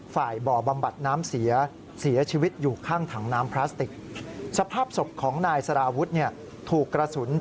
ฝ่ายบ่อบำบัดน้ำเสียเสียชีวิตอยู่ข้างถังน้ำพลาสติก